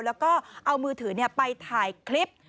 แล้วก็เอามือถือไปถ่ายคลิป